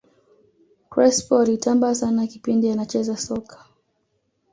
crespo alitamba sana kipindi anacheza soka